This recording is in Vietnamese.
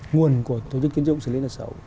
nguồn của tổ chức kiến trúc xử lý nợ sầu